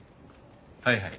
はいはい。